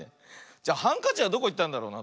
じゃハンカチはどこいったんだろうな。